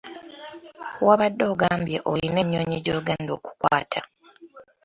Wabadde ogambye oyina ennyonyi gy'ogenda okukwata!